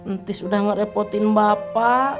ntis udah ngerepotin bapak